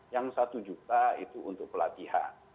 yang satu juta itu untuk pelatihan